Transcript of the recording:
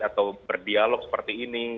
atau berdialog seperti ini